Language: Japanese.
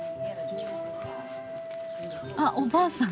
あっおばあさん